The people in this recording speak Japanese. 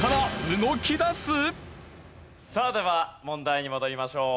さあでは問題に戻りましょう。